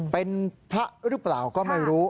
เป็นพระหรือเปล่าก็ไม่รู้